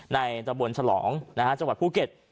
ในตระบวนฉลองนะฮะจังหวัดภูเก็ต